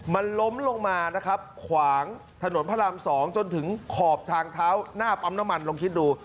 มันล้มลงมานะครับขวางถนนพระราม๒จนถึงขอบทางเท้าหน้าปั๊มน้ำมันลองคิดดู